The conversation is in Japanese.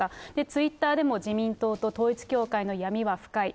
ツイッターでも、自民党と統一教会の闇は深い。